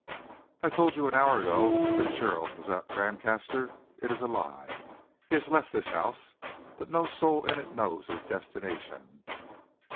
I told you an hour ago that Gerald was at Brancaster. It is a lie. He has left this house, but no soul in it knows his destination."